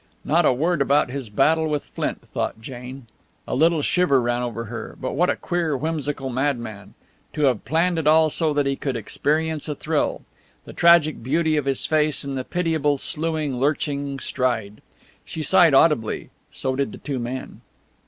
Not a word about his battle with Flint, thought Jane. A little shiver ran over her. But what a queer, whimsical madman! To have planned it all so that he could experience a thrill! The tragic beauty of his face and the pitiable, sluing, lurching stride! She sighed audibly, so did the two men.